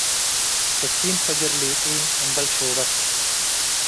ስቲን ፈጅር ሊጢም እምበል ሾበት